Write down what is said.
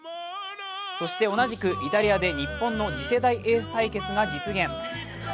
そして同じくイタリアで日本の次世代エース対決が実現。